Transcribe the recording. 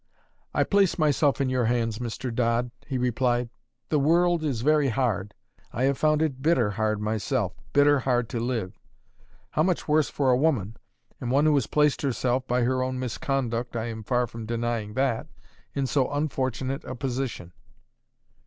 "I place myself in your hands, Mr. Dodd," he replied. "The world is very hard; I have found it bitter hard myself bitter hard to live. How much worse for a woman, and one who has placed herself (by her own misconduct, I am far from denying that) in so unfortunate a position!"